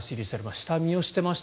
下見をしていました